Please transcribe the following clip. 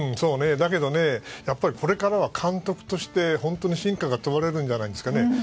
だけどね、やっぱりこれからは監督として本当に真価が問われるんじゃないですかね。